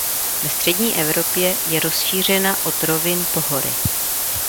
Ve střední Evropě je rozšířena od rovin po hory.